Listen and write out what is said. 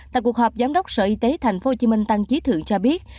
tại cuộc họp giám đốc sở y tế thành phố hồ chí minh tăng trí thượng cho biết